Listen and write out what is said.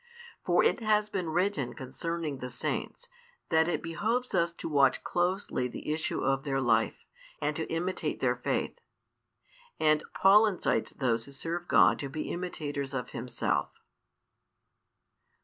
For it has been written concerning the Saints, that it behoves us to watch closely the issue of their life, and to imitate their faith. And Paul incites those who serve God to be imitators of himself.